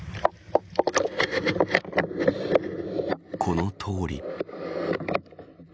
このとおり。